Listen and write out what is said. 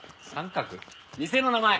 店の名前。